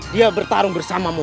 dia bertarung bersama sama